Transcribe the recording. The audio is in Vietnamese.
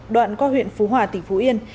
đoạn qua huyện phú hòa tỉnh phú yên